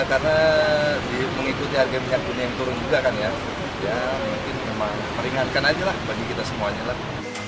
karena mengikuti harga bingkang kuning yang turun juga kan ya ya mungkin meringankan aja lah bagi kita semuanya lah